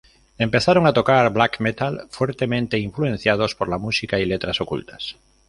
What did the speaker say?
Empezaron a tocar black metal, fuertemente influenciados por la música y letras ocultas.